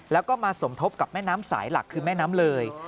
แล้วก็มาสมทบกับแม่น้ำสายหลักคือแม่น้ำเลย